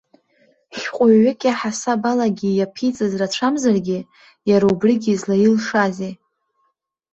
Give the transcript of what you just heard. Шәҟәыҩҩык иаҳасабалагьы иаԥиҵаз рацәамзаргьы, иара убригьы злаилшазеи.